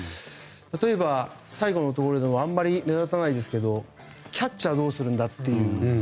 例えば、最後のところであまり目立たないんですがキャッチャーどうするんだっていう。